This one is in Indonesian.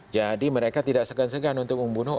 jadi mereka tidak segan segan untuk membunuh